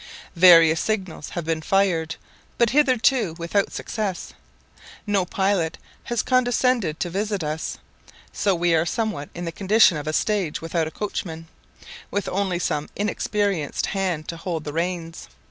Various signals have been fired, but hitherto without success; no pilot has condescended to visit us, so we are somewhat in the condition of a stage without a coachman, with only some inexperienced hand to hold the reins.